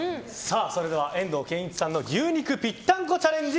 それでは遠藤憲一さんの牛肉ぴったんこチャレンジ